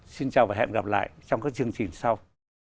xin chào và hẹn gặp lại trong các chương trình sau